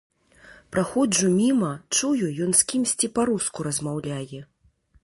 Праходжу міма, чую, ён з кімсьці па-руску размаўляе.